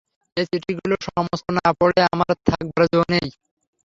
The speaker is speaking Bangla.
এ চিঠিগুলো সমস্ত না পড়ে আমার থাকবার জো নেই।